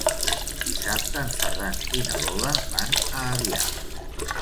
Dissabte en Ferran i na Lola van a Avià.